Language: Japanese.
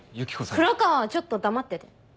黒川はちょっと黙ってて。